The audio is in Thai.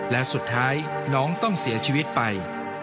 และสุดท้ายน้องต้องเสียชีวิตไป